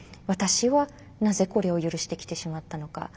私はなぜこれを許してきてしまったのか。